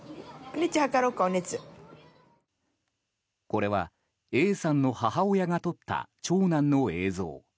これはＡさんの母親が撮った長男の映像。